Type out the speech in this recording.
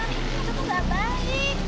itu tuh nggak baik